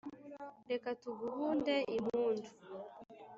Reka tuguhunde impundu